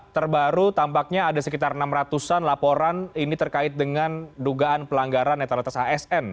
terbaru tampaknya ada sekitar enam ratus an laporan ini terkait dengan dugaan pelanggaran netralitas asn